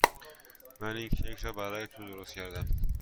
من این کیک را برای تو درست کردم.